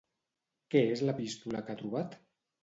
Què és l'epístola que ha trobat?